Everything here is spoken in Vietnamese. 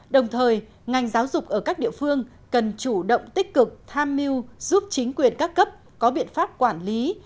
đồng thời ngành giáo dục ở các địa phương cần chủ động tích cực tham mưu giúp chính quyền các cấp có biện pháp quản lý